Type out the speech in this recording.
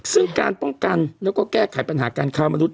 ซึ่งการป้องกันแล้วก็แก้ไขปัญหาการค้ามนุษ